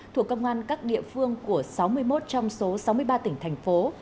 thuộc công an các địa phương của sáu mươi một trong số sáu mươi ba tỉnh thành phố